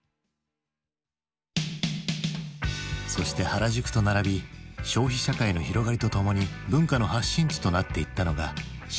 そして原宿と並び消費社会の広がりとともに文化の発信地となっていったのが渋谷だ。